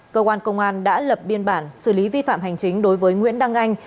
cơ quan công an đã lập biên bản xử lý vi phạm hành chính đối với nguyễn đăng anh